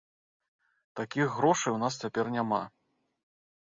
Такіх грошай у нас цяпер няма.